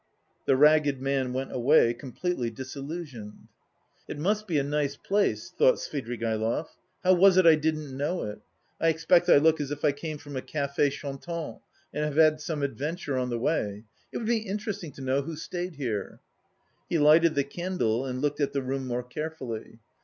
The ragged man went away, completely disillusioned. "It must be a nice place," thought Svidrigaïlov. "How was it I didn't know it? I expect I look as if I came from a café chantant and have had some adventure on the way. It would be interesting to know who stayed here?" He lighted the candle and looked at the room more carefully.